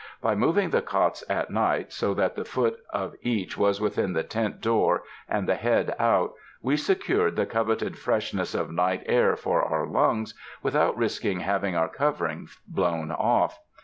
By moving the cots at night so that the foot of each was within the tent door and the head out, we secured the coveted freshness of night air for our lungs without risking having our covering blown off.